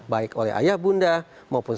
baik oleh ayah bunda maupun